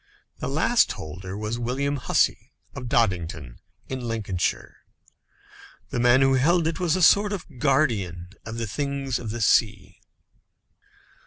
The last holder was William Hussey, of Doddington, in Lincolnshire. The man who held it was a sort of guardian of the things of the sea.